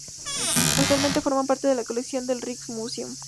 Actualmente, forman parte de la colección del Rijksmuseum.